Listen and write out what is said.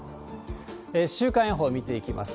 週間予報見ていきます。